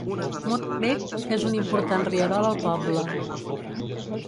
Mud Creek és un important rierol al poble.